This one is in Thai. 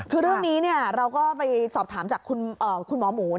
คือเรื่องนี้เราก็ไปสอบถามจากคุณหมอหมู